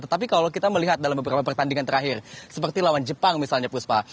tetapi kalau kita melihat dalam beberapa pertandingan terakhir seperti lawan jepang misalnya puspa